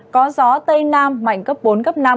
có gió tây nam mạnh cấp bốn năm